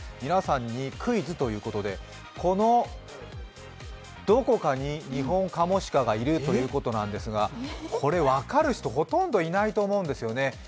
皆さんにクイズということで、このどこかにニホンカモシカがいるということですが、これ、分かる人、ほとんどいないと思うんですよね。